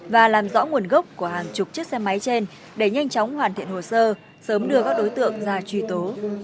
và làm rõ nguồn gốc của hàng chục chiếc xe máy trên để nhanh chóng hoàn thiện hồ sơ sớm đưa các đối tượng ra truy tố